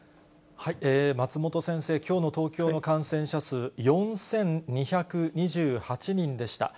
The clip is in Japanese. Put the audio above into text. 松本先生、きょうの東京の感染者数４２２８人でした。